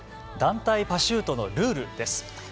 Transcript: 団体パシュートのルールです。